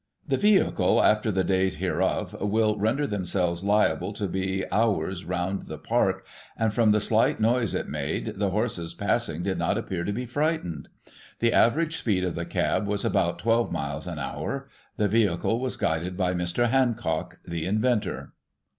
The vehicle after the date hereof, will render themselves liable to be hours round the Park, and, from the slight noise it made, the horses passing did not appear to be frightened. The average speed of the cab was about twelve miles an hour The vehicle was guided by Mr. Hancock, the inventor."